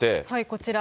こちら、